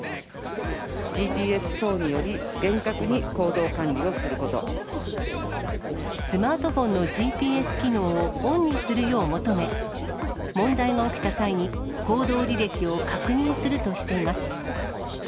ＧＰＳ等により、厳格に行動スマートフォンのＧＰＳ機能をオンにするよう求め、問題が起きた際に、行動履歴を確認するとしています。